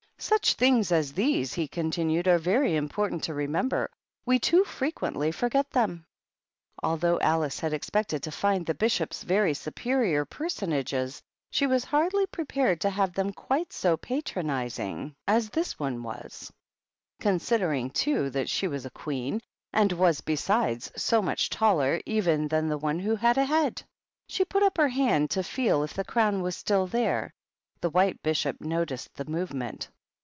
9 Such things as these," he continued, "are very important to remember ; we too frequently forget them." Although Alice had expected to find the Bishops very superior personages, she was hardly prepared to have them quite so patronizing as THE BISHOPS. 163 this one was, considering, too, that she was a queen, and was, besides, so much taller, even than the one who had a head. She put up her hand to feel if the crown was still there ; the White Bishop noticed the movement.